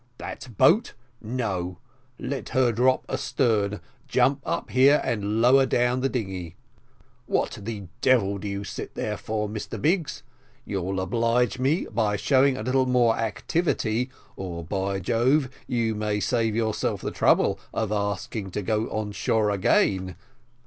"That boat, no; let her drop astern, jump up here and lower down the dinghy. What the devil do you sit there for, Mr Biggs? you'll oblige me by showing a little more activity, or, by Jove, you may save yourself the trouble of asking to go on shore again.